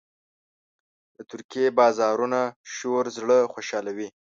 د ترکي بازارونو شور زړه خوشحالوي.